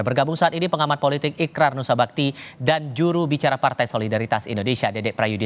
bergabung saat ini pengamat politik ikrar nusa bakti dan juru bicara partai solidaritas indonesia dedek prayudi